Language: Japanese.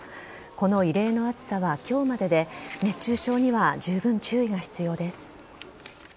この異例の暑さは今日までで熱中症にはじゅうぶん注意が必要です。